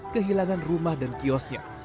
kehilangan rumah dan kiosnya